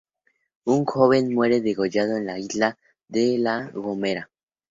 Un joven muere degollado en la isla de la Gomera.